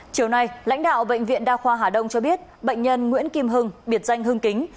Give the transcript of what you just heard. chiều nay lãnh đạo bệnh viện đa khoa hà đông cho biết bệnh nhân nguyễn kim hưng biệt danh hưng kính